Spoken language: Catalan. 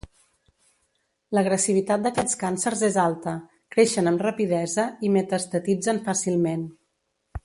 L'agressivitat d'aquests càncers és alta, creixen amb rapidesa i metastatitzen fàcilment.